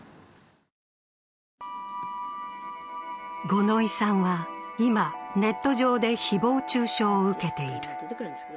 五ノ井さんは今、ネット上で誹謗中傷を受けている。